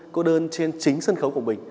cô đơn trên chính sân khấu của mình